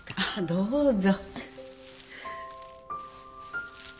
どうぞ。